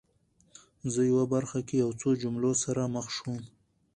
زه یوې برخه کې یو څو جملو سره مخ شوم